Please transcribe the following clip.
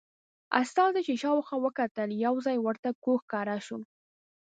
استازي چې شاوخوا وکتل یو ځای ورته کوږ ښکاره شو.